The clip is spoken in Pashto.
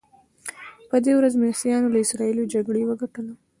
په دې ورځ مصریانو له اسراییلو جګړه وګټله.